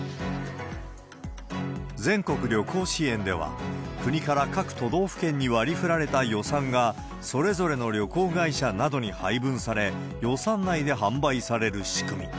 全国旅行支援では、国から各都道府県に割り振られた予算が、それぞれの旅行会社などに配分され、予算内で販売される仕組み。